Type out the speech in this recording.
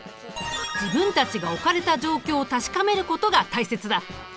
自分たちが置かれた状況を確かめることが大切だ。